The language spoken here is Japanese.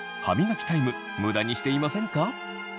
歯磨きタイム無駄にしていませんか？